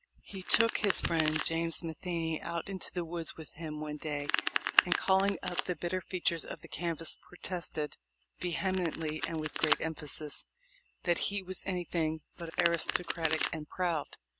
He took his friend James Matheney out into the woods with him one day and, calling up the bitter features of the canvass, protested "vehemently and with great emphasis" that he was anything but aristocratic and proud.